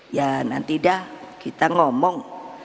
ya nanti dah kita ngomong